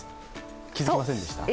気づきませんでしたか？